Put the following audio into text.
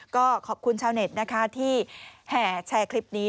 ก็ขอบคุณชาวเน็ตนะคะที่แห่แชร์คลิปนี้